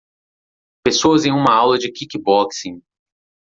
Pessoas em uma aula de kickboxing.